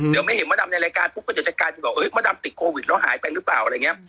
เดี๋ยวไม่เห็นมาดำในรายการพรุ่งก็จะการด้วยแล้วเอ้ยมาดำติดโควิดแล้วหายไปหรือเปล่าอะไรมิ